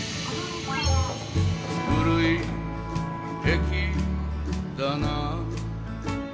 「古い駅だな」